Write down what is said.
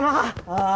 ああ。